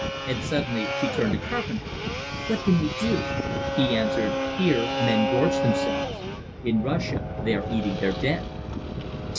And suddenly she turned to Carpenter. "What can we do?" He answered: "Here, men gorge themselves; in Russia they are eating their dead."